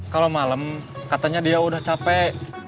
kalau malam katanya dia udah capek